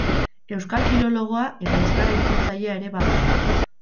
Euskal filologoa eta euskara itzultzailea ere bada.